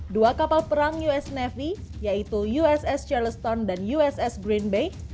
dua kapal perang us navy yaitu uss charlestone dan uss green bay